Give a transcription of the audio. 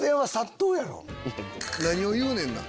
何を言うねんな？